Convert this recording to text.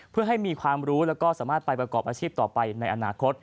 เพื่อให้มีความรู้แล้วก็สามารถไปประกอบอาชีพต่อไปในอนาคต